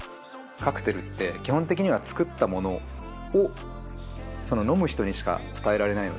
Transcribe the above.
カクテルって基本的には作ったものをその飲む人にしか伝えられないので。